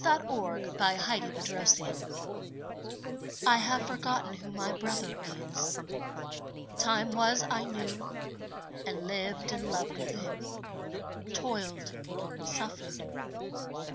AT EASE ON LETHE WHARF.*^ I have forgotten who my brother is. Time was I knew, and lived and loved with him; Toiled, suffered.